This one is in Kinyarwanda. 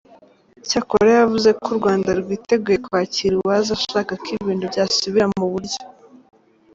Cyakora yavuze ko u Rwanda rwiteguye kwakira uwaza ashaka ko ibintu byasubira mu buryo.